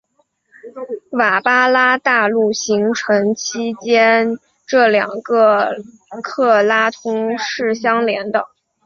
瓦巴拉大陆形成期间这两个克拉通是相连的。